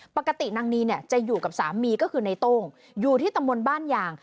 ปกตินางนีเนี่ยจะอยู่กับสามีก็คือในโต้งอยู่ที่ตำบลบ้านยาง